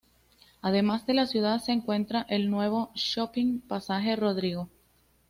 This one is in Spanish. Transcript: Además en la ciudad se encuentra el nuevo Shopping Pasaje Rodrigo.